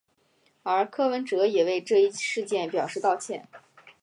而柯文哲也为这一事件表示道歉。